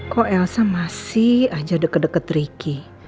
kok elsa masih aja deket deket ricky